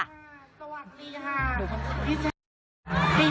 ตอนนี้ครับพิเศษ